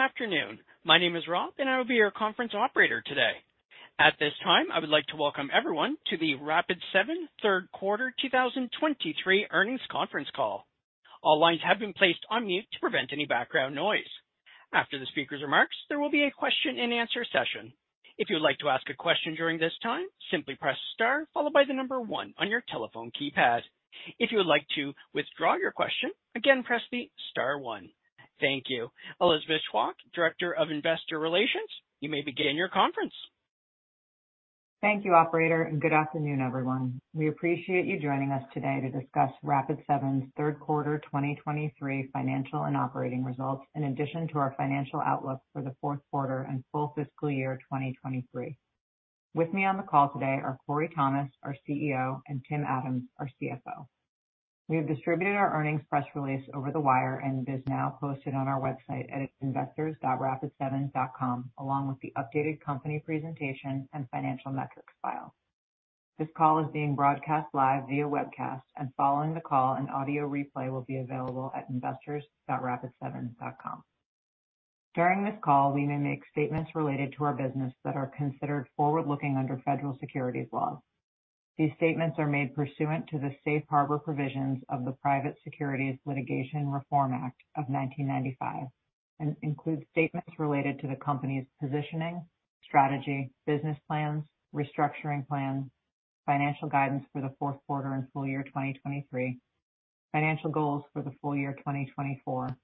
Good afternoon. My name is Rob, and I will be your conference operator today. At this time, I would like to welcome everyone to the Rapid7 Third Quarter 2023 Earnings Conference Call. All lines have been placed on mute to prevent any background noise. After the speaker's remarks, there will be a question-and-answer session. If you would like to ask a question during this time, simply press star followed by the number one on your telephone keypad. If you would like to withdraw your question, again, press the star one. Thank you. Elizabeth Chwalk, Director of Investor Relations, you may begin your conference. Thank you, operator, and good afternoon, everyone. We appreciate you joining us today to discuss Rapid7's third quarter 2023 financial and operating results, in addition to our financial outlook for the fourth quarter and full fiscal year 2023. With me on the call today are Corey Thomas, our CEO, and Tim Adams, our CFO. We have distributed our earnings press release over the wire and it is now posted on our website at investors.rapid7.com, along with the updated company presentation and financial metrics file. This call is being broadcast live via webcast, and following the call, an audio replay will be available at investors.rapid7.com. During this call, we may make statements related to our business that are considered forward-looking under federal securities laws. These statements are made pursuant to the Safe Harbor Provisions of the Private Securities Litigation Reform Act of 1995 and include statements related to the company's positioning, strategy, business plans, restructuring plans, financial guidance for the fourth quarter and full year 2023, financial goals for the full year 2024,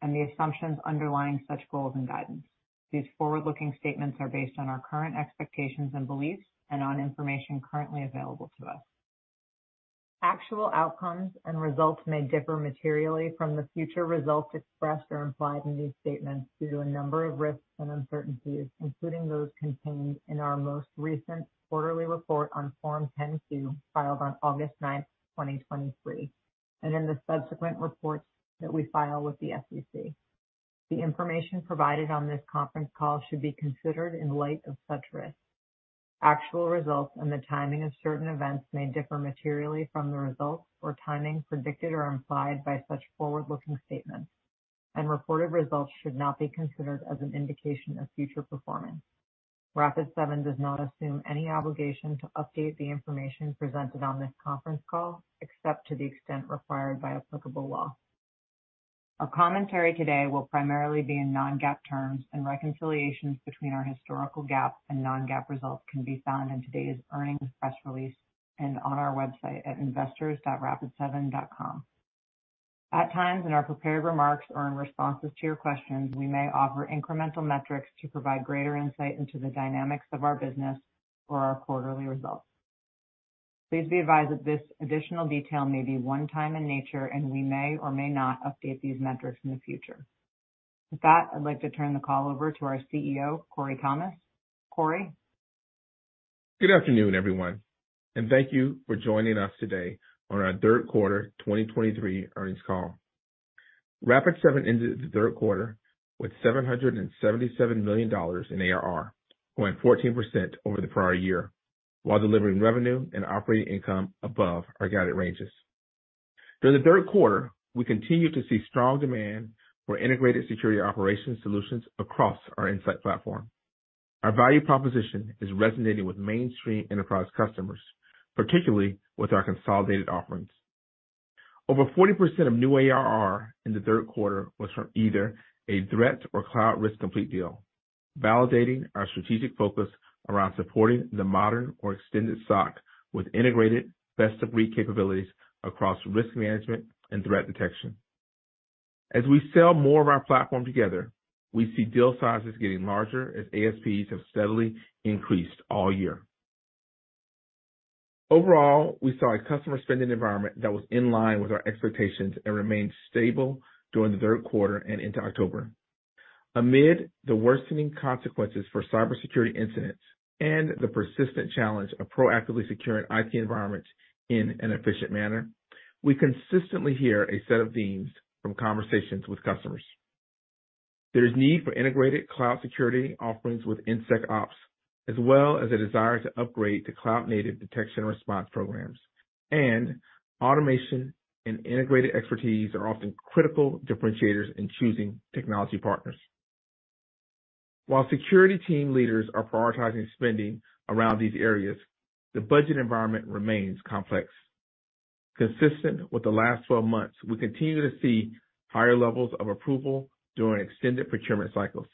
and the assumptions underlying such goals and guidance. These forward-looking statements are based on our current expectations and beliefs and on information currently available to us. Actual outcomes and results may differ materially from the future results expressed or implied in these statements due to a number of risks and uncertainties, including those contained in our most recent quarterly report on Form 10-K, filed on August 9, 2023, and in the subsequent reports that we file with the SEC. The information provided on this conference call should be considered in light of such risks. Actual results and the timing of certain events may differ materially from the results or timing predicted or implied by such forward-looking statements, and reported results should not be considered as an indication of future performance. Rapid7 does not assume any obligation to update the information presented on this conference call, except to the extent required by applicable law. Our commentary today will primarily be in non-GAAP terms, and reconciliations between our historical GAAP and non-GAAP results can be found in today's earnings press release and on our website at investors.rapid7.com. At times, in our prepared remarks or in responses to your questions, we may offer incremental metrics to provide greater insight into the dynamics of our business or our quarterly results. Please be advised that this additional detail may be one time in nature, and we may or may not update these metrics in the future. With that, I'd like to turn the call over to our CEO, Corey Thomas. Corey? Good afternoon, everyone, and thank you for joining us today on our third quarter 2023 earnings call. Rapid7 ended the third quarter with $777 million in ARR, growing 14% over the prior year, while delivering revenue and operating income above our guided ranges. During the third quarter, we continued to see strong demand for integrated security operations solutions across our Insight Platform. Our value proposition is resonating with mainstream enterprise customers, particularly with our consolidated offerings. Over 40% of new ARR in the third quarter was from either a Threat or Cloud Risk Complete deal, validating our strategic focus around supporting the modern or Extended SOC with integrated best-of-breed capabilities across risk management and threat detection. As we sell more of our platform together, we see deal sizes getting larger as ASPs have steadily increased all year. Overall, we saw a customer spending environment that was in line with our expectations and remained stable during the third quarter and into October. Amid the worsening consequences for cybersecurity incidents and the persistent challenge of proactively securing IT environments in an efficient manner, we consistently hear a set of themes from conversations with customers. There is need for integrated cloud security offerings with in SecOps, as well as a desire to upgrade to cloud-native detection and response programs. Automation and integrated expertise are often critical differentiators in choosing technology partners. While security team leaders are prioritizing spending around these areas, the budget environment remains complex. Consistent with the last 12 months, we continue to see higher levels of approval during extended procurement cycles.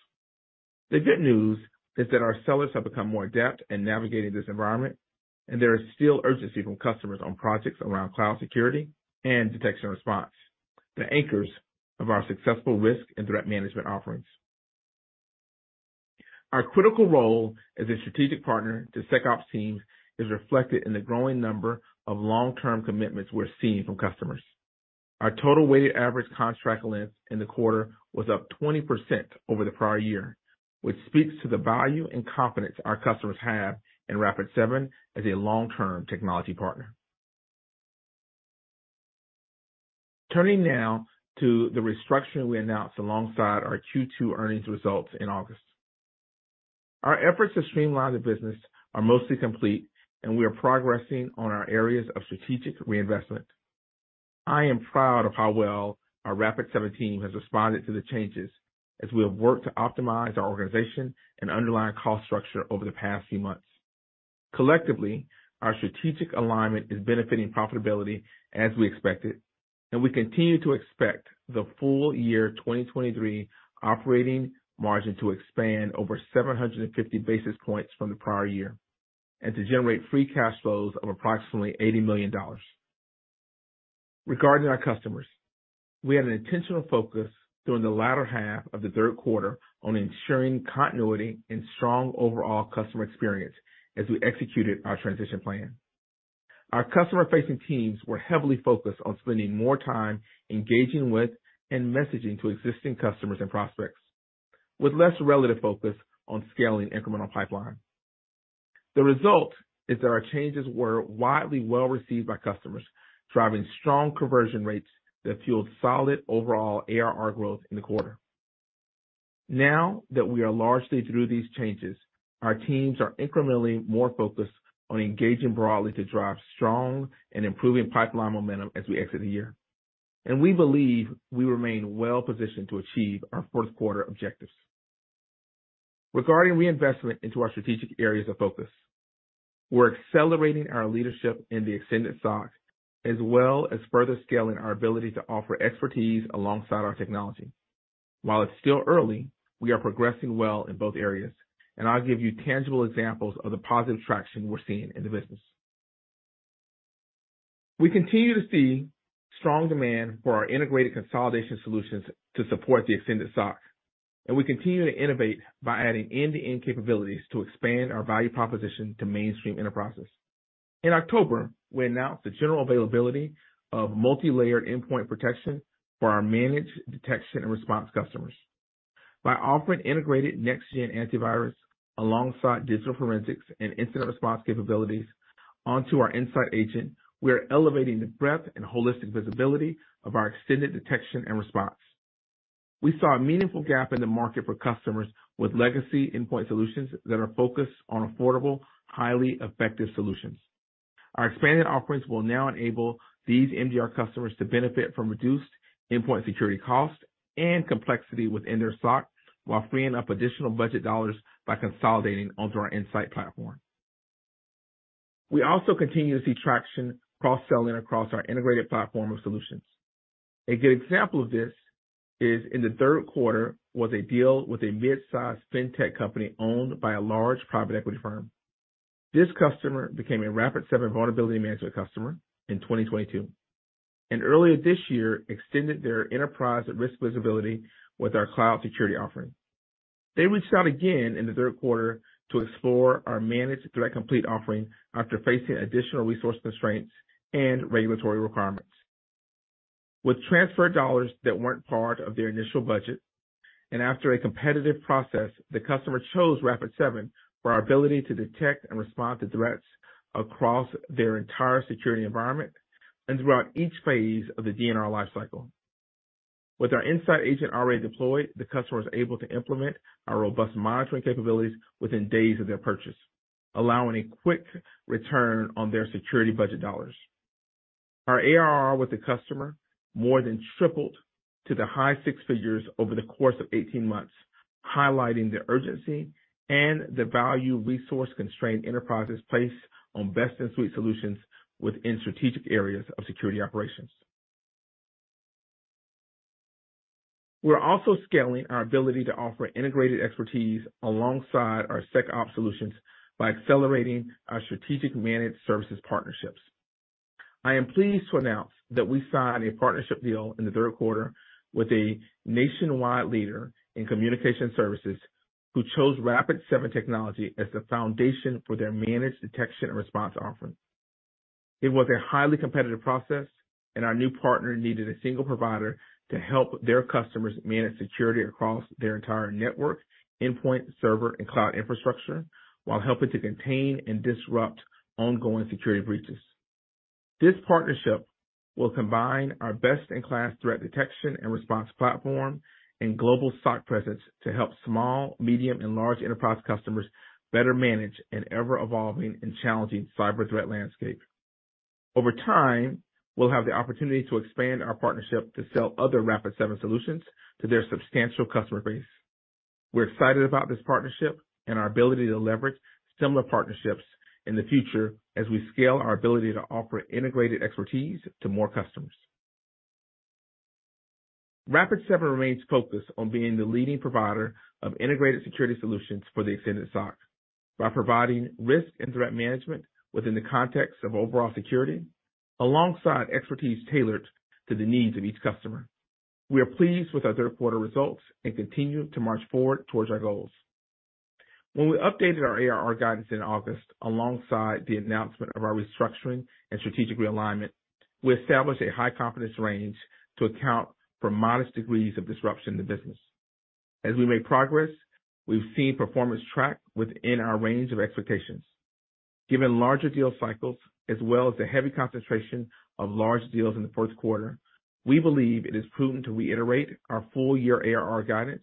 The good news is that our sellers have become more adept in navigating this environment, and there is still urgency from customers on projects around cloud security and detection and response, the anchors of our successful risk and threat management offerings. Our critical role as a strategic partner to SecOps teams is reflected in the growing number of long-term commitments we're seeing from customers. Our total weighted average contract length in the quarter was up 20% over the prior year, which speaks to the value and confidence our customers have in Rapid7 as a long-term technology partner. Turning now to the restructuring we announced alongside our Q2 earnings results in August.... Our efforts to streamline the business are mostly complete, and we are progressing on our areas of strategic reinvestment. I am proud of how well our Rapid7 team has responded to the changes, as we have worked to optimize our organization and underlying cost structure over the past few months. Collectively, our strategic alignment is benefiting profitability as we expected, and we continue to expect the full year 2023 operating margin to expand over 750 basis points from the prior year, and to generate free cash flows of approximately $80 million. Regarding our customers, we had an intentional focus during the latter half of the third quarter on ensuring continuity and strong overall customer experience as we executed our transition plan. Our customer-facing teams were heavily focused on spending more time engaging with and messaging to existing customers and prospects, with less relative focus on scaling incremental pipeline. The result is that our changes were widely well-received by customers, driving strong conversion rates that fueled solid overall ARR growth in the quarter. Now that we are largely through these changes, our teams are incrementally more focused on engaging broadly to drive strong and improving pipeline momentum as we exit the year. We believe we remain well positioned to achieve our fourth quarter objectives. Regarding reinvestment into our strategic areas of focus, we're accelerating our leadership in the extended SOC, as well as further scaling our ability to offer expertise alongside our technology. While it's still early, we are progressing well in both areas, and I'll give you tangible examples of the positive traction we're seeing in the business. We continue to see strong demand for our integrated consolidation solutions to support the Extended SOC, and we continue to innovate by adding end-to-end capabilities to expand our value proposition to mainstream enterprises. In October, we announced the general availability of multi-layered endpoint protection for our managed detection and response customers. By offering integrated next-gen antivirus alongside digital forensics and incident response capabilities onto our Insight Agent, we are elevating the breadth and holistic visibility of our extended detection and response. We saw a meaningful gap in the market for customers with legacy endpoint solutions that are focused on affordable, highly effective solutions. Our expanded offerings will now enable these MDR customers to benefit from reduced endpoint security costs and complexity within their SOC, while freeing up additional budget dollars by consolidating onto our Insight platform. We also continue to see traction cross-selling across our integrated platform of solutions. A good example of this is in the third quarter, a deal with a mid-size fintech company owned by a large private equity firm. This customer became a Rapid7 vulnerability management customer in 2022, and earlier this year extended their enterprise at risk visibility with our cloud security offering. They reached out again in the third quarter to explore our Managed Threat Complete offering after facing additional resource constraints and regulatory requirements. With transfer dollars that weren't part of their initial budget, and after a competitive process, the customer chose Rapid7 for our ability to detect and respond to threats across their entire security environment and throughout each phase of the DNR lifecycle. With our Insight Agent already deployed, the customer was able to implement our robust monitoring capabilities within days of their purchase, allowing a quick return on their security budget dollars. Our ARR with the customer more than tripled to the high six figures over the course of 18 months, highlighting the urgency and the value resource-constrained enterprises place on best-in-suite solutions within strategic areas of security operations. We're also scaling our ability to offer integrated expertise alongside our SecOps solutions by accelerating our strategic managed services partnerships. I am pleased to announce that we signed a partnership deal in the third quarter with a nationwide leader in communication services, who chose Rapid7 technology as the foundation for their managed detection and response offering. It was a highly competitive process, and our new partner needed a single provider to help their customers manage security across their entire network, endpoint, server, and cloud infrastructure, while helping to contain and disrupt ongoing security breaches. This partnership will combine our best-in-class threat detection and response platform and global SOC presence to help small, medium, and large enterprise customers better manage an ever-evolving and challenging cyber threat landscape. Over time, we'll have the opportunity to expand our partnership to sell other Rapid7 solutions to their substantial customer base. We're excited about this partnership and our ability to leverage similar partnerships in the future as we scale our ability to offer integrated expertise to more customers. Rapid7 remains focused on being the leading provider of integrated security solutions for the Extended SOC, by providing risk and threat management within the context of overall security, alongside expertise tailored to the needs of each customer. We are pleased with our third quarter results and continue to march forward towards our goals. When we updated our ARR guidance in August, alongside the announcement of our restructuring and strategic realignment, we established a high confidence range to account for modest degrees of disruption in the business. As we make progress, we've seen performance track within our range of expectations.... Given larger deal cycles, as well as the heavy concentration of large deals in the first quarter, we believe it is prudent to reiterate our full year ARR guidance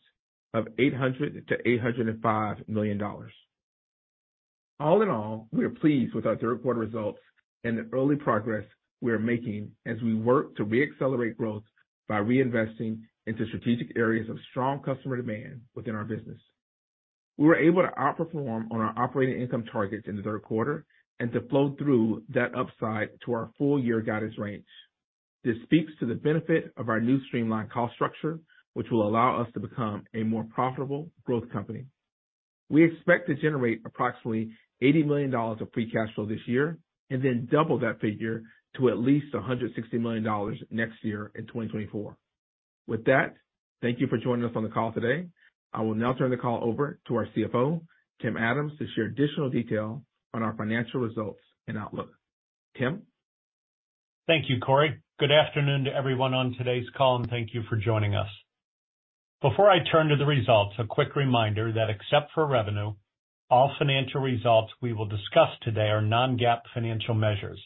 of $800 million-$805 million. All in all, we are pleased with our third quarter results and the early progress we are making as we work to reaccelerate growth by reinvesting into strategic areas of strong customer demand within our business. We were able to outperform on our operating income targets in the third quarter and to flow through that upside to our full year guidance range. This speaks to the benefit of our new streamlined cost structure, which will allow us to become a more profitable growth company. We expect to generate approximately $80 million of free cash flow this year, and then double that figure to at least $160 million next year in 2024. With that, thank you for joining us on the call today. I will now turn the call over to our CFO, Tim Adams, to share additional detail on our financial results and outlook. Tim? Thank you, Corey. Good afternoon to everyone on today's call, and thank you for joining us. Before I turn to the results, a quick reminder that except for revenue, all financial results we will discuss today are non-GAAP financial measures,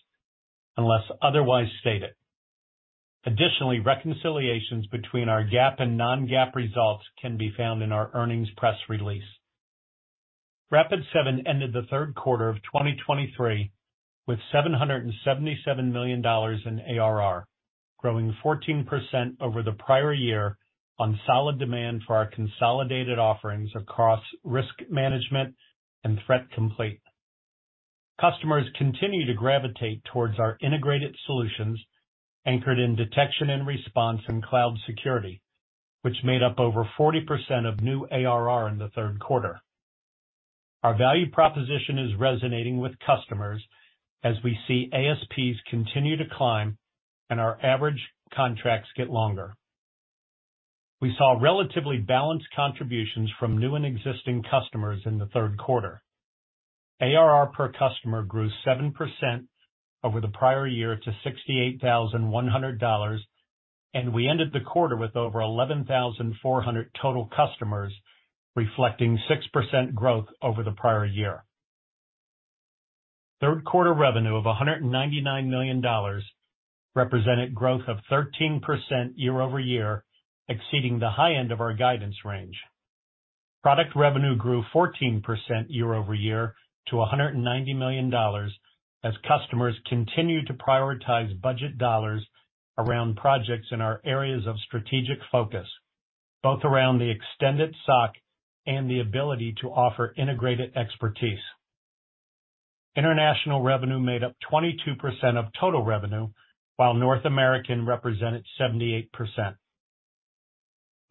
unless otherwise stated. Additionally, reconciliations between our GAAP and non-GAAP results can be found in our earnings press release. Rapid7 ended the third quarter of 2023 with $777 million in ARR, growing 14% over the prior year on solid demand for our consolidated offerings across risk management and Threat Complete. Customers continue to gravitate towards our integrated solutions, anchored in detection and response and cloud security, which made up over 40% of new ARR in the third quarter. Our value proposition is resonating with customers as we see ASPs continue to climb and our average contracts get longer. We saw relatively balanced contributions from new and existing customers in the third quarter. ARR per customer grew 7% over the prior year to $68,100, and we ended the quarter with over 11,400 total customers, reflecting 6% growth over the prior year. Third quarter revenue of $199 million represented growth of 13% year-over-year, exceeding the high end of our guidance range. Product revenue grew 14% year-over-year to $190 million, as customers continued to prioritize budget dollars around projects in our areas of strategic focus, both around the Extended SOC and the ability to offer integrated expertise. International revenue made up 22% of total revenue, while North America represented 78%.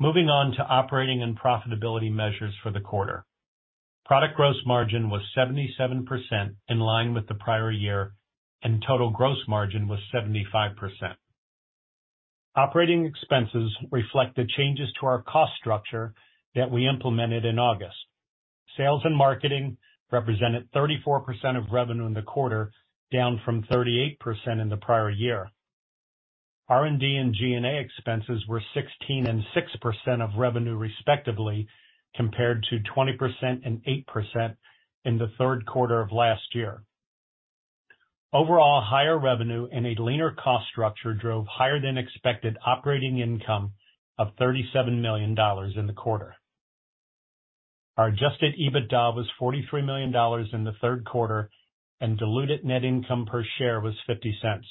Moving on to operating and profitability measures for the quarter. Product gross margin was 77% in line with the prior year, and total gross margin was 75%. Operating expenses reflect the changes to our cost structure that we implemented in August. Sales and marketing represented 34% of revenue in the quarter, down from 38% in the prior year. R&D and G&A expenses were 16% and 6% of revenue, respectively, compared to 20% and 8% in the third quarter of last year. Overall, higher revenue and a leaner cost structure drove higher-than-expected operating income of $37 million in the quarter. Our Adjusted EBITDA was $43 million in the third quarter, and diluted net income per share was $0.50.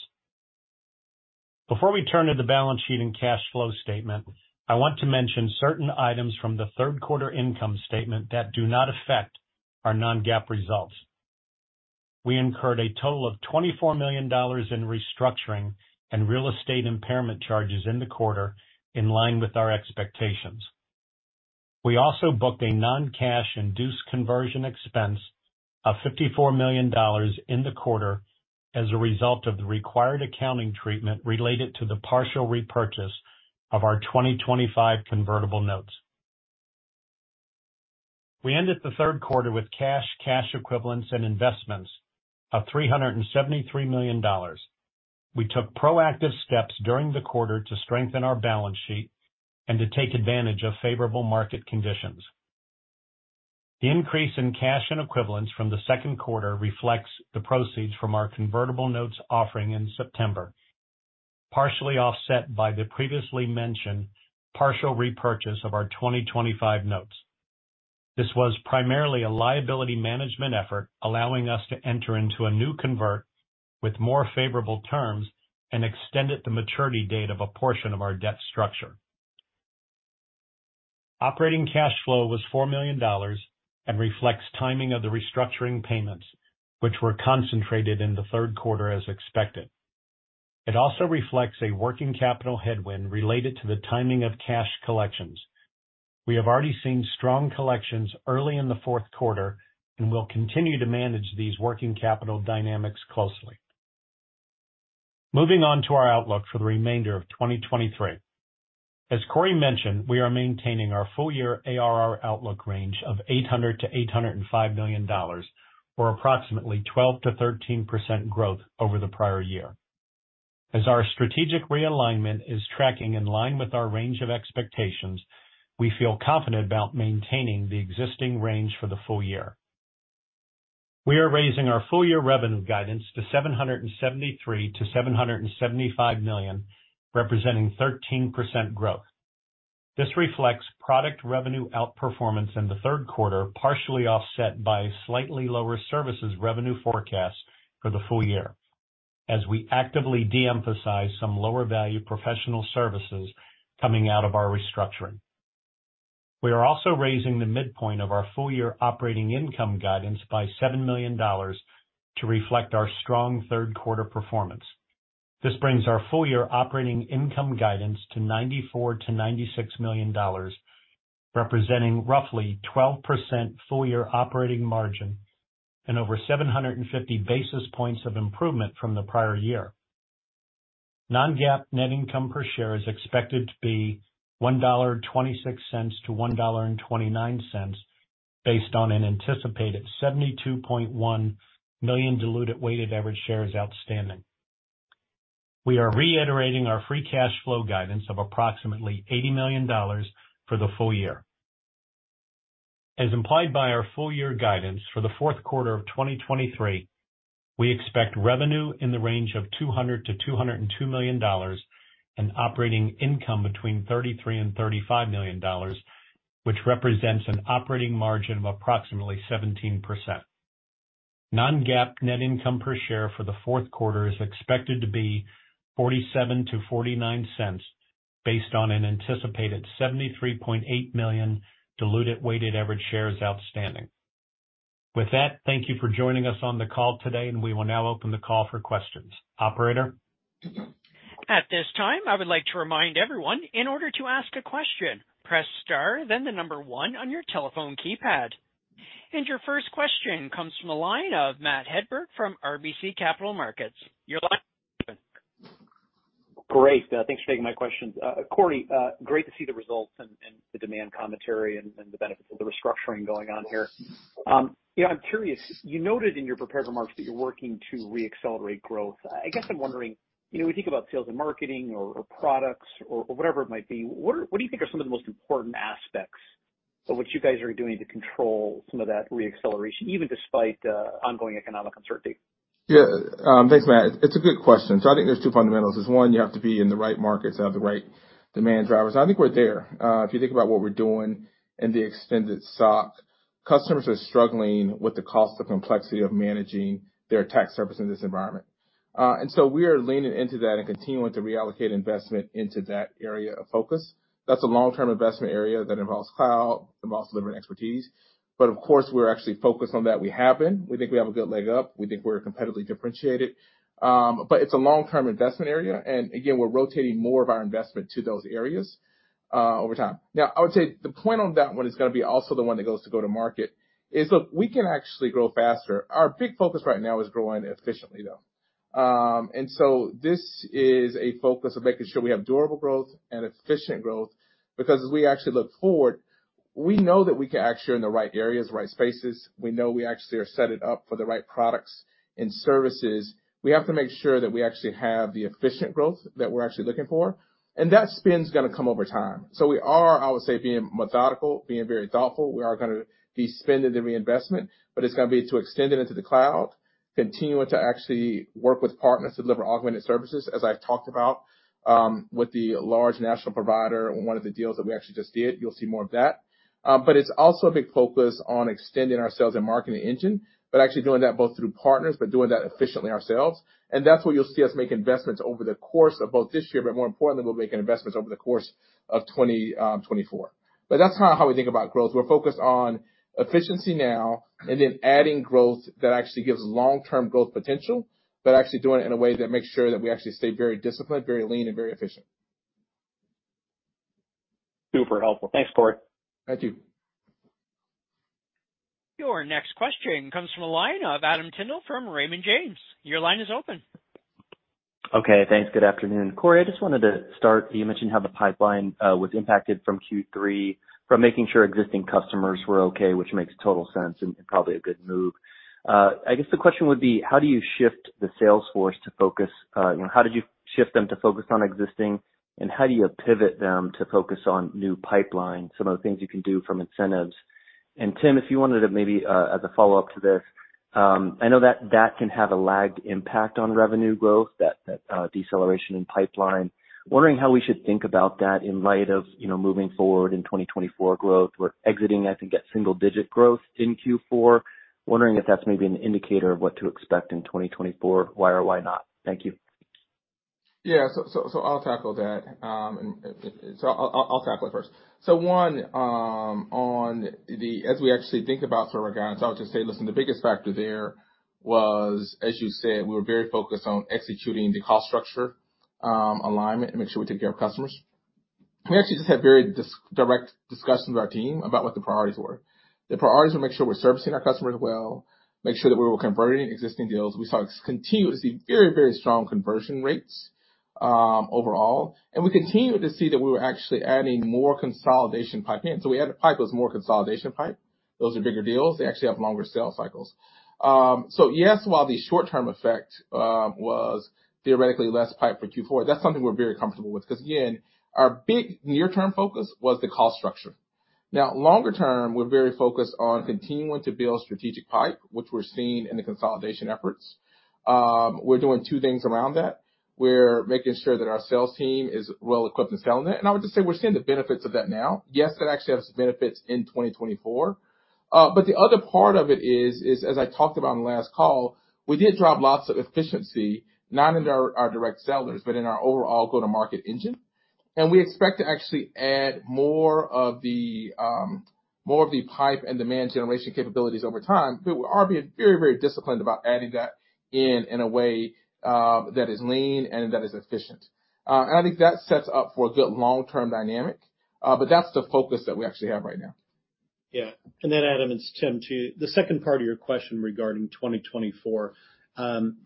Before we turn to the balance sheet and cash flow statement, I want to mention certain items from the third quarter income statement that do not affect our non-GAAP results. We incurred a total of $24 million in restructuring and real estate impairment charges in the quarter, in line with our expectations. We also booked a non-cash induced conversion expense of $54 million in the quarter as a result of the required accounting treatment related to the partial repurchase of our 2025 convertible notes. We ended the third quarter with cash, cash equivalents, and investments of $373 million. We took proactive steps during the quarter to strengthen our balance sheet and to take advantage of favorable market conditions. The increase in cash and equivalents from the second quarter reflects the proceeds from our convertible notes offering in September, partially offset by the previously mentioned partial repurchase of our 2025 notes. This was primarily a liability management effort, allowing us to enter into a new convert with more favorable terms and extended the maturity date of a portion of our debt structure. Operating cash flow was $4 million and reflects timing of the restructuring payments, which were concentrated in the third quarter as expected. It also reflects a working capital headwind related to the timing of cash collections. We have already seen strong collections early in the fourth quarter and will continue to manage these working capital dynamics closely. Moving on to our outlook for the remainder of 2023. As Corey mentioned, we are maintaining our full-year ARR outlook range of $800 million-$805 million, or approximately 12%-13% growth over the prior year. As our strategic realignment is tracking in line with our range of expectations, we feel confident about maintaining the existing range for the full year. We are raising our full-year revenue guidance to $773 million-$775 million, representing 13% growth. This reflects product revenue outperformance in the third quarter, partially offset by slightly lower services revenue forecast for the full year, as we actively de-emphasize some lower value professional services coming out of our restructuring. We are also raising the midpoint of our full-year operating income guidance by $7 million to reflect our strong third quarter performance. This brings our full-year operating income guidance to $94 million-$96 million, representing roughly 12% full-year operating margin and over 750 basis points of improvement from the prior year. Non-GAAP net income per share is expected to be $1.26-$1.29, based on an anticipated 72.1 million diluted weighted average shares outstanding. We are reiterating our free cash flow guidance of approximately $80 million for the full year. As implied by our full-year guidance, for the fourth quarter of 2023, we expect revenue in the range of $200 million-$202 million, and operating income between $33 million-$35 million, which represents an operating margin of approximately 17%. Non-GAAP net income per share for the fourth quarter is expected to be $0.47-$0.49 based on an anticipated 73.8 million diluted weighted average shares outstanding. With that, thank you for joining us on the call today, and we will now open the call for questions. Operator? At this time, I would like to remind everyone, in order to ask a question, press star, then the number one on your telephone keypad. Your first question comes from the line of Matt Hedberg from RBC Capital Markets. Your line. Great. Thanks for taking my questions. Corey, great to see the results and the demand commentary and the benefits of the restructuring going on here. You know, I'm curious. You noted in your prepared remarks that you're working to reaccelerate growth. I guess I'm wondering, you know, when we think about sales and marketing or products or whatever it might be, what do you think are some of the most important aspects of what you guys are doing to control some of that reacceleration, even despite ongoing economic uncertainty? Yeah. Thanks, Matt. It's a good question. So I think there's two fundamentals. There's one, you have to be in the right markets to have the right demand drivers. I think we're there. If you think about what we're doing in the Extended SOC, customers are struggling with the cost and complexity of managing their attack surface in this environment. And so we are leaning into that and continuing to reallocate investment into that area of focus. That's a long-term investment area that involves cloud, involves delivering expertise, but of course, we're actually focused on that. We have been. We think we have a good leg up. We think we're competitively differentiated. But it's a long-term investment area, and again, we're rotating more of our investment to those areas, over time. Now, I would say the point on that one is gonna be also the one that goes to go to market, is, look, we can actually grow faster. Our big focus right now is growing efficiently, though. And so this is a focus of making sure we have durable growth and efficient growth, because as we actually look forward, we know that we are actually in the right areas, right spaces. We know we actually are set it up for the right products and services. We have to make sure that we actually have the efficient growth that we're actually looking for, and that spend's gonna come over time. So we are, I would say, being methodical, being very thoughtful. We are gonna be spending the reinvestment, but it's gonna be to extend it into the cloud, continuing to actually work with partners to deliver augmented services, as I've talked about, with the large national provider, one of the deals that we actually just did, you'll see more of that. But it's also a big focus on extending our sales and marketing engine, but actually doing that both through partners, but doing that efficiently ourselves. And that's what you'll see us make investments over the course of both this year, but more importantly, we're making investments over the course of 2024. But that's kind of how we think about growth. We're focused on efficiency now and then adding growth that actually gives long-term growth potential, but actually doing it in a way that makes sure that we actually stay very disciplined, very lean, and very efficient. Super helpful. Thanks, Corey. Thank you. Your next question comes from the line of Adam Tindle from Raymond James. Your line is open. Okay. Thanks. Good afternoon. Corey, I just wanted to start. You mentioned how the pipeline was impacted from Q3, from making sure existing customers were okay, which makes total sense and probably a good move. I guess the question would be, how do you shift the sales force to focus, you know, how did you shift them to focus on existing, and how do you pivot them to focus on new pipeline? Some of the things you can do from incentives. And Tim, if you wanted to maybe, as a follow-up to this, I know that that can have a lagged impact on revenue growth, that deceleration in pipeline. Wondering how we should think about that in light of, you know, moving forward in 2024 growth. We're exiting, I think, at single-digit growth in Q4. Wondering if that's maybe an indicator of what to expect in 2024. Why or why not? Thank you. Yeah, so I'll tackle that. And so I'll tackle it first. So one, on the... As we actually think about sort of our guidance, I would just say, listen, the biggest factor there was, as you said, we were very focused on executing the cost structure alignment, and make sure we took care of customers. We actually just had very direct discussions with our team about what the priorities were. The priorities were make sure we're servicing our customers well, make sure that we were converting existing deals. We saw continuously very, very strong conversion rates overall, and we continued to see that we were actually adding more consolidation pipeline. So we added the pipeline, it was more consolidation pipeline. Those are bigger deals, they actually have longer sales cycles. So yes, while the short-term effect was theoretically less pipe for Q4, that's something we're very comfortable with, because again, our big near-term focus was the cost structure. Now, longer term, we're very focused on continuing to build strategic pipe, which we're seeing in the consolidation efforts. We're doing two things around that. We're making sure that our sales team is well equipped in selling it, and I would just say we're seeing the benefits of that now. Yes, that actually has benefits in 2024. But the other part of it is as I talked about on the last call, we did drive lots of efficiency, not in our direct sellers, but in our overall go-to-market engine. And we expect to actually add more of the pipe and demand generation capabilities over time. But we are being very, very disciplined about adding that in, in a way, that is lean and that is efficient. And I think that sets up for a good long-term dynamic, but that's the focus that we actually have right now. Yeah. And then, Adam, it's Tim, too. The second part of your question regarding 2024,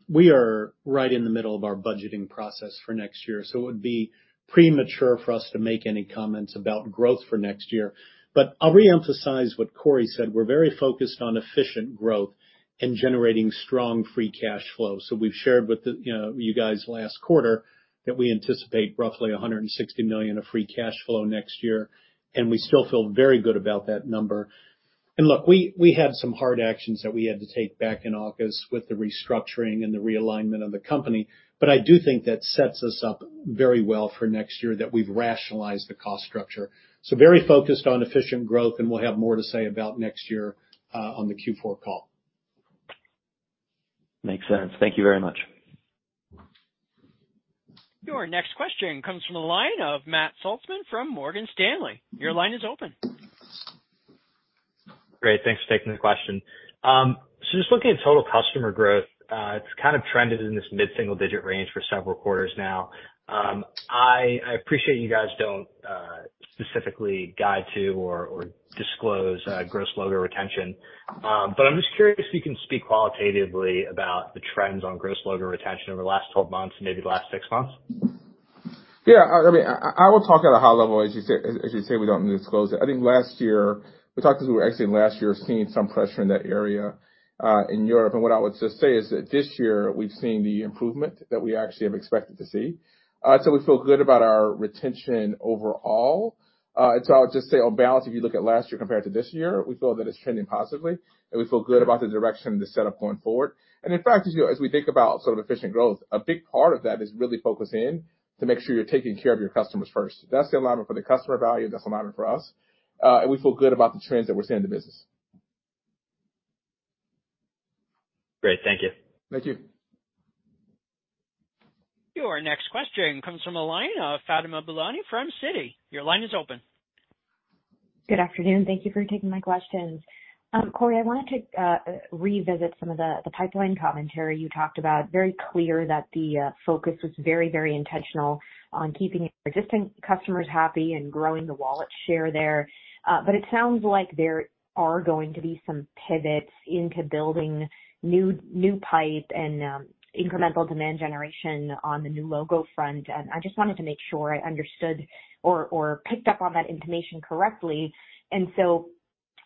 we are right in the middle of our budgeting process for next year, so it would be premature for us to make any comments about growth for next year. But I'll reemphasize what Corey said, we're very focused on efficient growth and generating strong free cash flow. So we've shared with the, you know, you guys last quarter that we anticipate roughly $160 million of free cash flow next year, and we still feel very good about that number. And look, we had some hard actions that we had to take back in August with the restructuring and the realignment of the company, but I do think that sets us up very well for next year, that we've rationalized the cost structure. So very focused on efficient growth, and we'll have more to say about next year, on the Q4 call. Makes sense. Thank you very much. Your next question comes from the line of Matt Salzman from Morgan Stanley. Your line is open. Great, thanks for taking the question. So just looking at total customer growth, it's kind of trended in this mid-single digit range for several quarters now. I, I appreciate you guys don't specifically guide to or, or disclose gross logo retention. But I'm just curious if you can speak qualitatively about the trends on gross logo retention over the last 12 months and maybe the last six months? Yeah, I mean, I will talk at a high level. As you say, as you say, we don't need to disclose it. I think last year, we talked as we were exiting last year, seeing some pressure in that area in Europe. And what I would just say is that this year we've seen the improvement that we actually have expected to see. So we feel good about our retention overall. And so I'll just say on balance, if you look at last year compared to this year, we feel that it's trending positively, and we feel good about the direction of the setup going forward. And in fact, as you know, as we think about sort of efficient growth, a big part of that is really focusing in to make sure you're taking care of your customers first. That's the alignment for the customer value, and that's alignment for us, and we feel good about the trends that we're seeing in the business. Great. Thank you. Thank you. Your next question comes from the line of Fatima Boolani from Citi. Your line is open. Good afternoon. Thank you for taking my questions. Corey, I wanted to revisit some of the pipeline commentary you talked about. Very clear that the focus was very, very intentional on keeping existing customers happy and growing the wallet share there. But it sounds like there are going to be some pivots into building new pipe and incremental demand generation on the new logo front, and I just wanted to make sure I understood or picked up on that information correctly. And so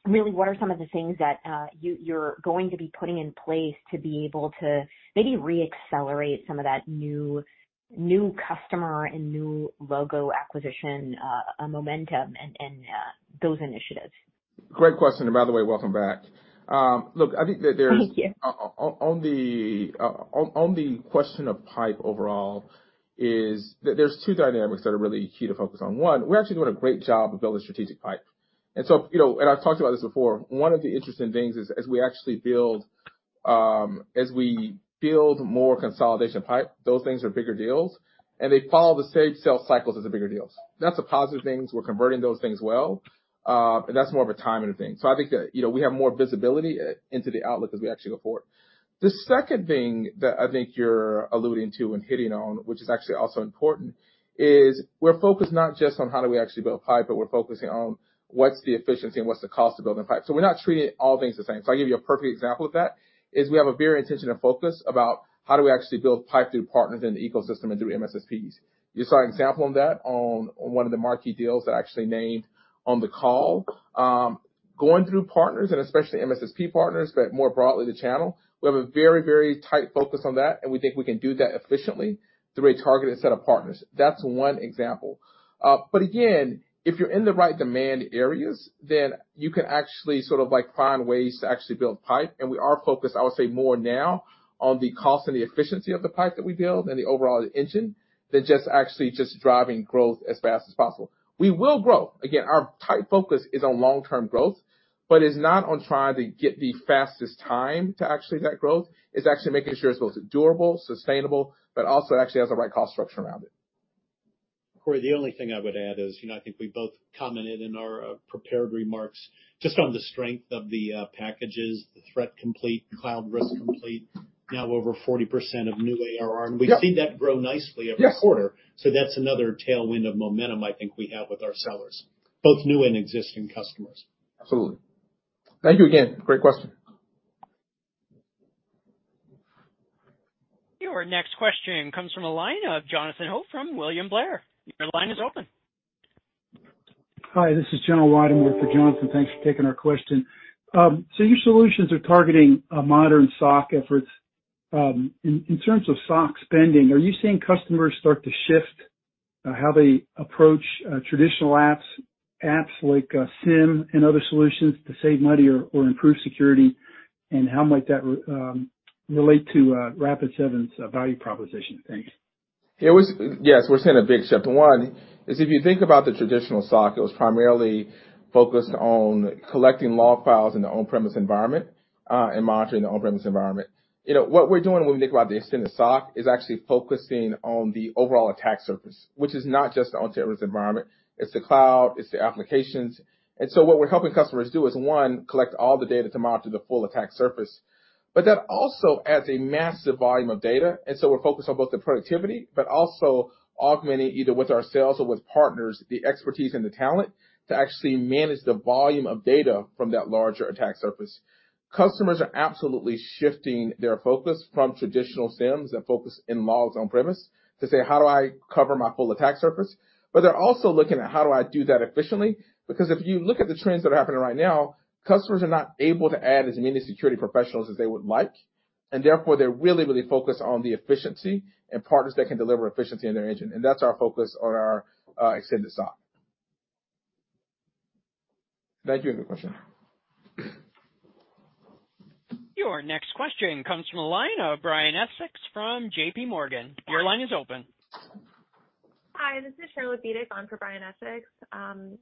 really, what are some of the things that you're going to be putting in place to be able to maybe reaccelerate some of that new customer and new logo acquisition momentum and those initiatives? Great question. And by the way, welcome back. Look, I think that there's- Thank you. On the question of pipe overall is that there's two dynamics that are really key to focus on. One, we're actually doing a great job of building strategic pipe. And so, you know, and I've talked about this before, one of the interesting things is, as we actually build, as we build more consolidation pipe, those things are bigger deals, and they follow the same sales cycles as the bigger deals. That's the positive things. We're converting those things well, and that's more of a timing thing. So I think that, you know, we have more visibility into the outlook as we actually go forward. The second thing that I think you're alluding to and hitting on, which is actually also important, is we're focused not just on how do we actually build pipe, but we're focusing on what's the efficiency and what's the cost of building pipe. So we're not treating all things the same. So I'll give you a perfect example of that, is we have a very intentional focus about how do we actually build pipe through partners in the ecosystem and through MSSPs. You saw an example on that, on one of the marquee deals I actually named on the call. Going through partners, and especially MSSP partners, but more broadly, the channel, we have a very, very tight focus on that, and we think we can do that efficiently through a targeted set of partners. That's one example. But again, if you're in the right demand areas, then you can actually sort of, like, find ways to actually build pipe. And we are focused, I would say, more now on the cost and the efficiency of the pipe that we build and the overall engine than just actually just driving growth as fast as possible. We will grow. Again, our tight focus is on long-term growth, but it's not on trying to get the fastest time to actually that growth. It's actually making sure it's both durable, sustainable, but also actually has the right cost structure around it. Corey, the only thing I would add is, you know, I think we both commented in our prepared remarks just on the strength of the packages, the Threat Complete, Cloud Risk Complete, now over 40% of new ARR. Yeah. We see that grow nicely every quarter. Yes. So that's another tailwind of momentum I think we have with our sellers, both new and existing customers. Absolutely. Thank you again. Great question.... Your next question comes from the line of Jonathan Ho from William Blair. Your line is open. Hi, this is Garrett Burkam for Jonathan. Thanks for taking our question. So your solutions are targeting modern SOC efforts. In terms of SOC spending, are you seeing customers start to shift how they approach traditional apps, apps like SIEM and other solutions to save money or improve security? And how might that relate to Rapid7's value proposition? Thanks. Yes, we're seeing a big shift. One, is if you think about the traditional SOC, it was primarily focused on collecting log files in the on-premise environment, and monitoring the on-premise environment. You know, what we're doing when we think about the extended SOC is actually focusing on the overall attack surface, which is not just the on-premise environment, it's the cloud, it's the applications. And so what we're helping customers do is, one, collect all the data to monitor the full attack surface. But that also adds a massive volume of data, and so we're focused on both the productivity, but also augmenting, either with our sales or with partners, the expertise and the talent to actually manage the volume of data from that larger attack surface. Customers are absolutely shifting their focus from traditional SIEMs that focus in logs on premise to say: How do I cover my full attack surface? But they're also looking at how do I do that efficiently? Because if you look at the trends that are happening right now, customers are not able to add as many security professionals as they would like, and therefore, they're really, really focused on the efficiency and partners that can deliver efficiency in their engine. And that's our focus on our Extended SOC. Thank you. Good question. Your next question comes from the line of Brian Essex from JPMorgan. Your line is open. Hi, this is Sharyl Bezek on for Brian Essex.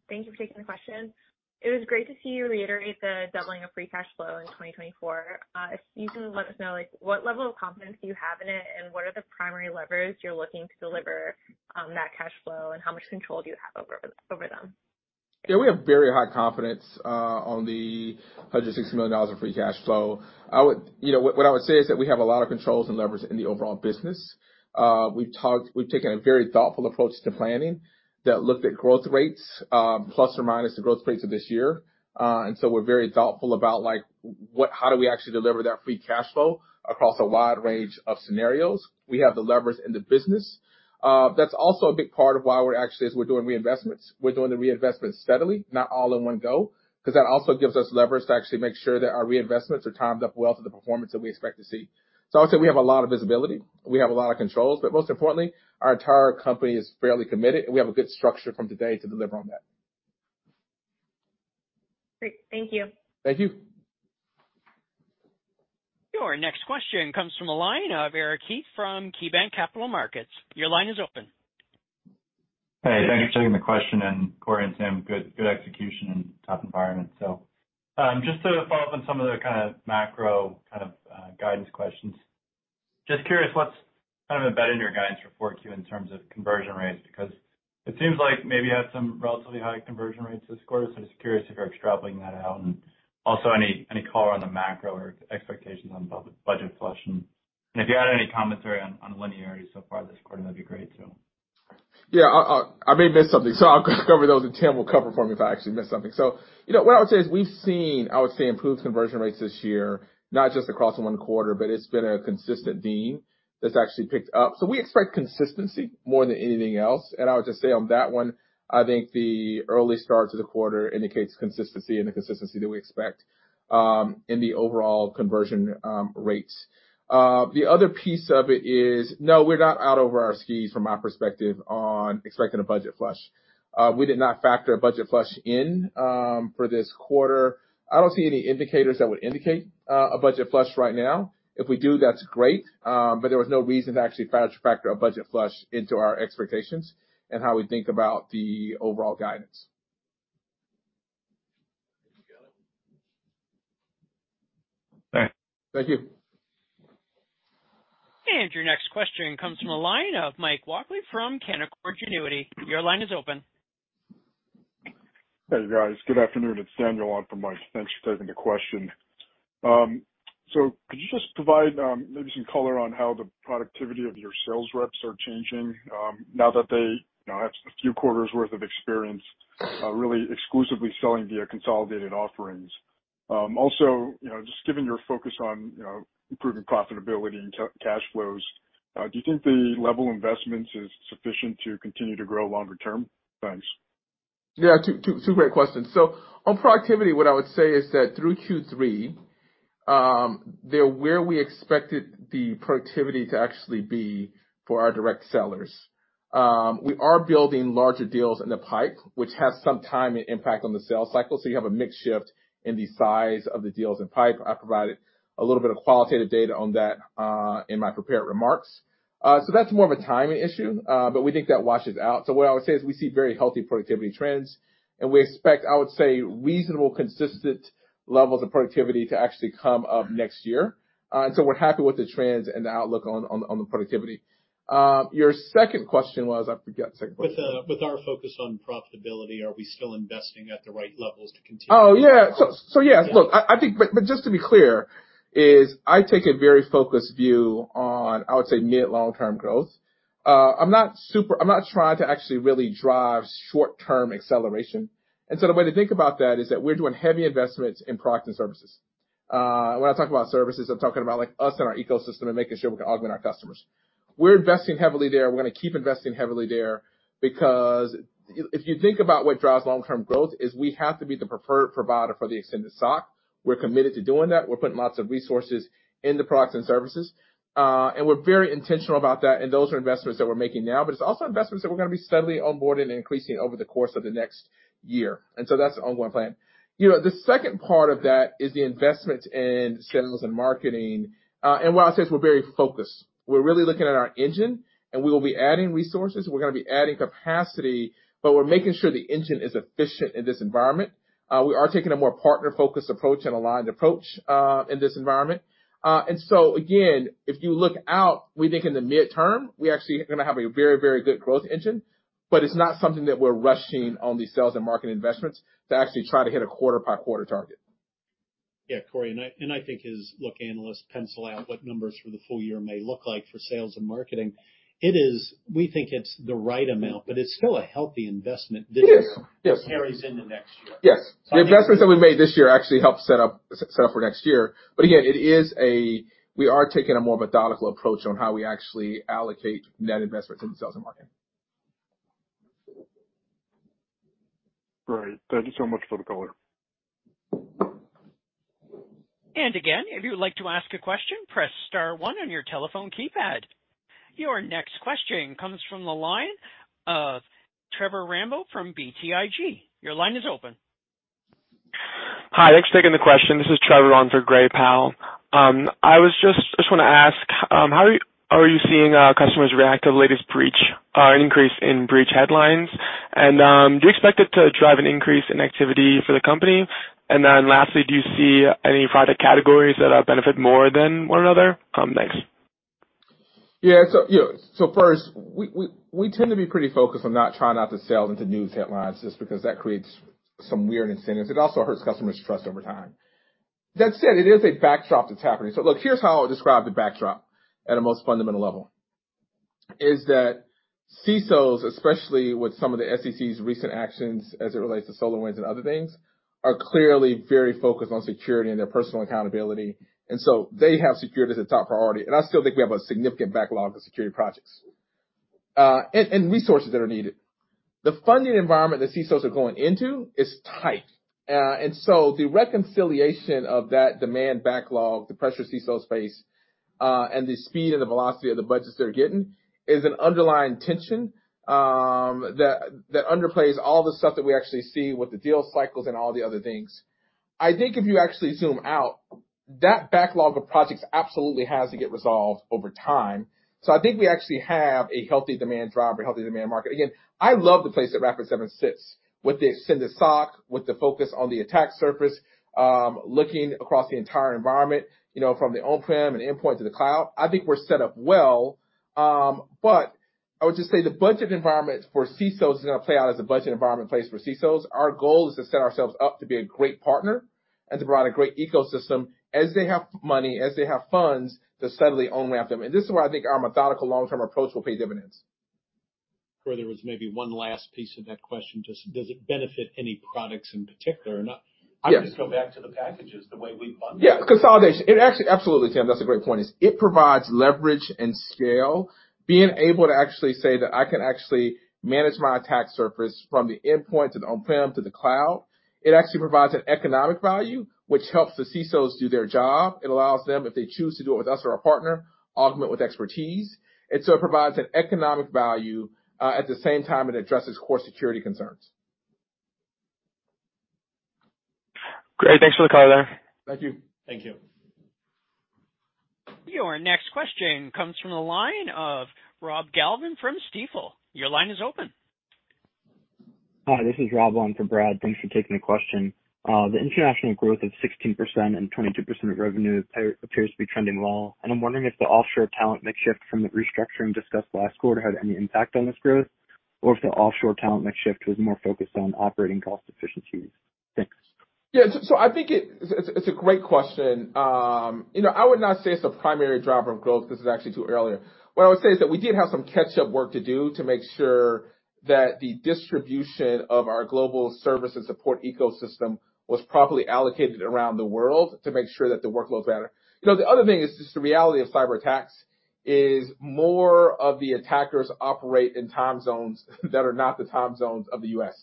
Thank you for taking the question. It was great to see you reiterate the doubling of free cash flow in 2024. If you can let us know, like, what level of confidence do you have in it, and what are the primary levers you're looking to deliver that cash flow, and how much control do you have over them? Yeah, we have very high confidence on the $160 million of free cash flow. I would... You know, what, what I would say is that we have a lot of controls and levers in the overall business. We've taken a very thoughtful approach to planning that looked at growth rates, plus or minus the growth rates of this year. And so we're very thoughtful about, like, how do we actually deliver that free cash flow across a wide range of scenarios? We have the levers in the business. That's also a big part of why we're actually, as we're doing reinvestments, we're doing the reinvestments steadily, not all in one go, 'cause that also gives us levers to actually make sure that our reinvestments are timed up well to the performance that we expect to see. So I'll say we have a lot of visibility, we have a lot of controls, but most importantly, our entire company is fairly committed, and we have a good structure from today to deliver on that. Great. Thank you. Thank you. Your next question comes from the line of Eric Heath from KeyBanc Capital Markets. Your line is open. Hey, thank you for taking the question, and Corey and Sam, good, good execution in a tough environment. So, just to follow up on some of the kind of macro kind of, guidance questions. Just curious, what's kind of embedded in your guidance for 4Q in terms of conversion rates? Because it seems like maybe you had some relatively high conversion rates this quarter, so just curious if you're extrapolating that out. And also, any, any color on the macro or expectations on budget flush? And if you had any commentary on, on linearity so far this quarter, that'd be great, too. Yeah, I may have missed something, so I'll cover those, and Tim will cover for me if I actually miss something. So, you know, what I would say is we've seen, I would say, improved conversion rates this year, not just across the one quarter, but it's been a consistent theme that's actually picked up. So we expect consistency more than anything else. And I would just say on that one, I think the early starts of the quarter indicates consistency and the consistency that we expect in the overall conversion rates. The other piece of it is, no, we're not out over our skis, from my perspective, on expecting a budget flush. We did not factor a budget flush in for this quarter. I don't see any indicators that would indicate a budget flush right now. If we do, that's great, but there was no reason to actually factor a budget flush into our expectations and how we think about the overall guidance. Thanks. Thank you. Your next question comes from the line of Mike Walkley from Canaccord Genuity. Your line is open. Hey, guys. Good afternoon, it's Daniel on for Mike. Thanks for taking the question. So could you just provide maybe some color on how the productivity of your sales reps are changing now that they, you know, have a few quarters worth of experience really exclusively selling via consolidated offerings? Also, you know, just given your focus on, you know, improving profitability and cash flows, do you think the level of investments is sufficient to continue to grow longer term? Thanks. Yeah, two, two, two, great questions. So on productivity, what I would say is that through Q3, they're where we expected the productivity to actually be for our direct sellers. We are building larger deals in the pipe, which has some timing impact on the sales cycle, so you have a mix shift in the size of the deals in pipe. I provided a little bit of qualitative data on that in my prepared remarks. So that's more of a timing issue, but we think that washes out. So what I would say is we see very healthy productivity trends, and we expect, I would say, reasonable, consistent levels of productivity to actually come up next year. And so we're happy with the trends and the outlook on the productivity. Your second question was, I forget the second question. With our focus on profitability, are we still investing at the right levels to continue- Oh, yeah. So yes. Look, I think. But just to be clear, I take a very focused view on, I would say, mid-long-term growth. I'm not super. I'm not trying to actually really drive short-term acceleration. And so the way to think about that is that we're doing heavy investments in products and services. When I talk about services, I'm talking about, like, us and our ecosystem and making sure we can augment our customers. We're investing heavily there, and we're gonna keep investing heavily there because if you think about what drives long-term growth, we have to be the preferred provider for the Extended SOC. We're committed to doing that. We're putting lots of resources into products and services, and we're very intentional about that, and those are investments that we're making now, but it's also investments that we're gonna be steadily onboarding and increasing over the course of the next year. And so that's the ongoing plan. You know, the second part of that is the investment in sales and marketing. And what I'll say is we're very focused. We're really looking at our engine, and we will be adding resources, we're gonna be adding capacity, but we're making sure the engine is efficient in this environment. We are taking a more partner-focused approach and aligned approach, in this environment. And so again, if you look out, we think in the midterm, we're actually gonna have a very, very good growth engine, but it's not something that we're rushing on the sales and marketing investments to actually try to hit a quarter-by-quarter target. Yeah, Corey, and I think as analysts pencil out what numbers for the full year may look like for sales and marketing, it is. We think it's the right amount, but it's still a healthy investment this year. It is. Yes. that carries into next year. Yes. The investments that we made this year actually help set up for next year. But again, it is, we are taking a more methodical approach on how we actually allocate net investments in sales and marketing. Great. Thank you so much for the color. And again, if you would like to ask a question, press star one on your telephone keypad. Your next question comes from the line of Trevor Rambo from BTIG. Your line is open. Hi, thanks for taking the question. This is Trevor on for Gray Powell. I just want to ask how are you seeing customers react to the latest breach increase in breach headlines? And do you expect it to drive an increase in activity for the company? And then lastly, do you see any product categories that benefit more than one another? Thanks. Yeah. So, you know, so first, we tend to be pretty focused on not trying not to sell into news headlines, just because that creates some weird incentives. It also hurts customers' trust over time. That said, it is a backdrop that's happening. So look, here's how I would describe the backdrop at a most fundamental level, is that CISOs, especially with some of the SEC's recent actions as it relates to SolarWinds and other things, are clearly very focused on security and their personal accountability, and so they have security as a top priority, and I still think we have a significant backlog of security projects, and resources that are needed. The funding environment that CISOs are going into is tight. And so the reconciliation of that demand backlog, the pressure CISOs face, and the speed and the velocity of the budgets they're getting, is an underlying tension, that, that underplays all the stuff that we actually see with the deal cycles and all the other things. I think if you actually zoom out, that backlog of projects absolutely has to get resolved over time. So I think we actually have a healthy demand driver, a healthy demand market. Again, I love the place that Rapid7 sits with the extended SOC, with the focus on the attack surface, looking across the entire environment, you know, from the on-prem and endpoint to the cloud. I think we're set up well, but I would just say the budget environment for CISOs is gonna play out as a budget environment place for CISOs. Our goal is to set ourselves up to be a great partner and to provide a great ecosystem as they have money, as they have funds, to steadily own after them. And this is where I think our methodical long-term approach will pay dividends. Where there was maybe one last piece of that question, does it benefit any products in particular or not? Yes. I would just go back to the packages the way we bundle. Yeah, consolidation. It actually, absolutely, Tim, that's a great point. It provides leverage and scale. Being able to actually say that I can actually manage my attack surface from the endpoint, to the on-prem, to the cloud, it actually provides an economic value, which helps the CISOs do their job. It allows them, if they choose to do it with us or a partner, augment with expertise, and so it provides an economic value at the same time it addresses core security concerns. Great. Thanks for the color. Thank you. Thank you. Your next question comes from the line of Rob Galvin from Stifel. Your line is open. Hi, this is Rob on for Brad. Thanks for taking the question. The international growth of 16% and 22% of revenue appears to be trending well, and I'm wondering if the offshore talent mix shift from the restructuring discussed last quarter had any impact on this growth, or if the offshore talent mix shift was more focused on operating cost efficiencies? Thanks. Yeah, I think it's a great question. You know, I would not say it's a primary driver of growth. This is actually too early. What I would say is that we did have some catch-up work to do to make sure that the distribution of our global service and support ecosystem was properly allocated around the world to make sure that the workloads better. You know, the other thing is, just the reality of cyberattacks is more of the attackers operate in time zones that are not the time zones of the U.S.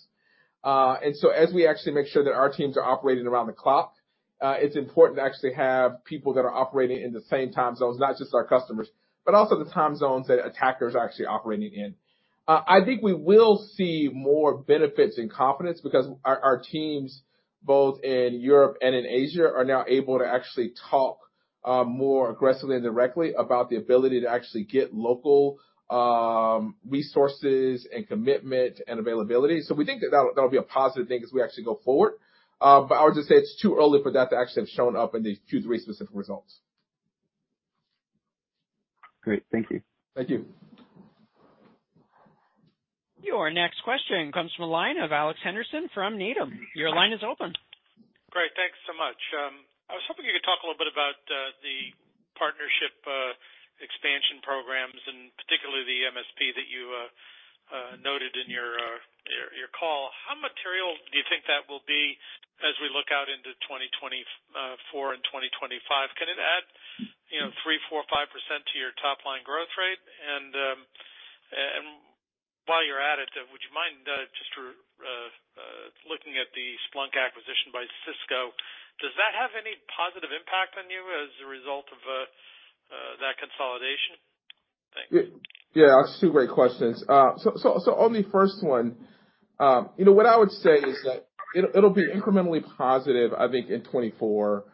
And so as we actually make sure that our teams are operating around the clock, it's important to actually have people that are operating in the same time zones, not just our customers, but also the time zones that attackers are actually operating in. I think we will see more benefits and confidence because our teams, both in Europe and in Asia, are now able to actually talk more aggressively and directly about the ability to actually get local resources, and commitment, and availability. So we think that that'll be a positive thing as we actually go forward. But I would just say it's too early for that to actually have shown up in the Q3 specific results. Great. Thank you. Thank you. Your next question comes from the line of Alex Henderson from Needham. Your line is open.... All right, thanks so much. I was hoping you could talk a little bit about the partnership expansion programs, and particularly the MSP that you noted in your call. How material do you think that will be as we look out into 2024 and 2025? Can it add, you know, 3, 4, 5% to your top line growth rate? And while you're at it, would you mind just looking at the Splunk acquisition by Cisco? Does that have any positive impact on you as a result of that consolidation? Thank you. Yeah, that's two great questions. So on the first one, you know, what I would say is that it'll be incrementally positive, I think, in 2024.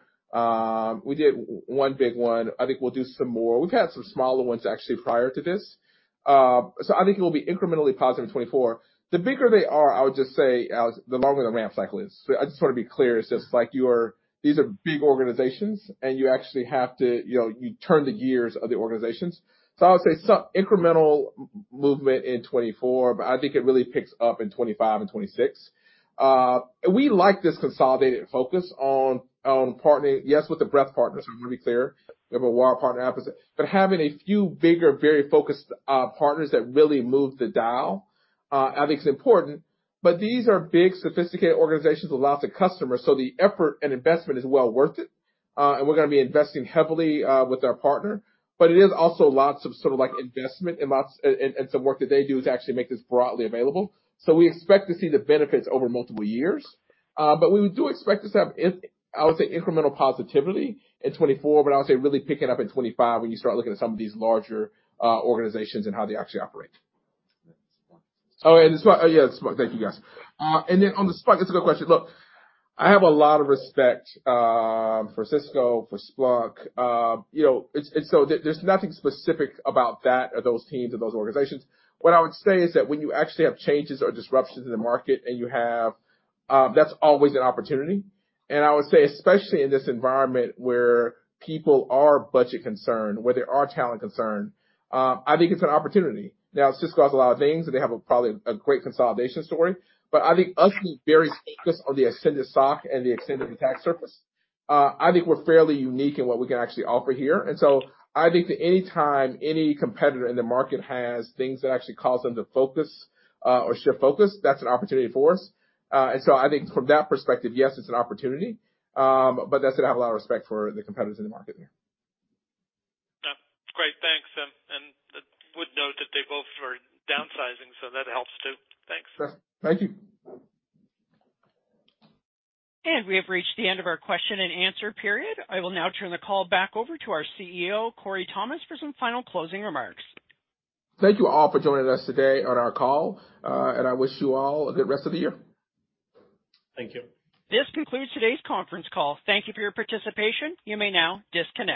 We did one big one. I think we'll do some more. We've had some smaller ones actually prior to this. So I think it will be incrementally positive in 2024. The bigger they are, I would just say, the longer the ramp cycle is. I just wanna be clear, it's just like you are, these are big organizations, and you actually have to, you know, you turn the gears of the organizations. So I would say some incremental movement in 2024, but I think it really picks up in 2025 and 2026. We like this consolidated focus on partnering, yes, with the breadth partners, I wanna be clear. We have a wide partner ecosystem. But having a few bigger, very focused, partners that really move the dial, I think is important. But these are big, sophisticated organizations with lots of customers, so the effort and investment is well worth it, and we're gonna be investing heavily with our partner. But it is also lots of sort of, like, investment and lots and some work that they do to actually make this broadly available. So we expect to see the benefits over multiple years. But we do expect to have I would say, incremental positivity in 2024, but I would say really picking up in 2025 when you start looking at some of these larger organizations and how they actually operate. Oh, and the Splunk. Yeah, thank you, guys. And then on the Splunk, that's a good question. Look, I have a lot of respect for Cisco, for Splunk. You know, it's, and so there's nothing specific about that or those teams or those organizations. What I would say is that when you actually have changes or disruptions in the market, and you have that's always an opportunity. And I would say, especially in this environment where people are budget concerned, where they are talent concerned, I think it's an opportunity. Now, Cisco has a lot of things, and they have a probably, a great consolidation story, but I think us being very focused on the extended SOC and the extended attack surface, I think we're fairly unique in what we can actually offer here. And so I think that any time any competitor in the market has things that actually cause them to focus, or shift focus, that's an opportunity for us. And so I think from that perspective, yes, it's an opportunity, but that's I have a lot of respect for the competitors in the market here. Yeah. Great, thanks. And would note that they both are downsizing, so that helps, too. Thanks. Thank you. We have reached the end of our question and answer period. I will now turn the call back over to our CEO, Corey Thomas, for some final closing remarks. Thank you all for joining us today on our call, and I wish you all a good rest of the year. Thank you. This concludes today's conference call. Thank you for your participation. You may now disconnect.